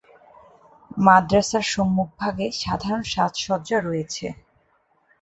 মাদ্রাসার সম্মুখভাগে সাধারণ সাজসজ্জা রয়েছে।